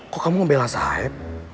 kok kamu ngebela sahib